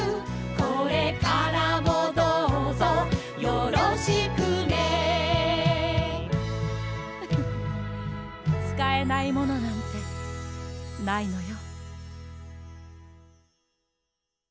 「これからもどうぞよろしくね」「フフッ使えないものなんてないのよ」